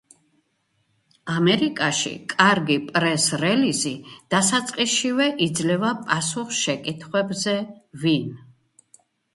ამერიკაში კარგი პრეს-რელიზი დასაწყისშივე იძლევა პასუხს შეკითხვებზე: ვინ?